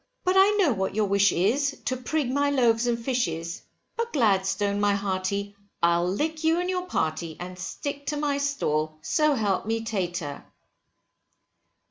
But I know what your wish is, to prig my loaves and fishes, but Gladstone my hearty, I'll lick you and your party, and stick to my stall, so help me tater.